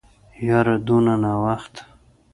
يره دونه ناوخته.